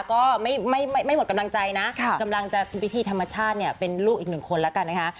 ก็ไม่หมดกำลังใจนะกำลังจะพิธีธรรมชาติเนี่ยเป็นลูกอีกหนึ่งคนแล้วกันนะคะ